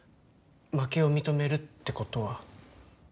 負けを認めるってことは。